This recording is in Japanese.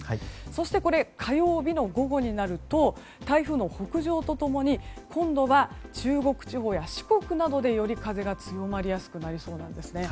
そして、火曜日の午後になると台風の北上と共に今度は、中国地方や四国などで風がより強まりやすくなりそうなんです。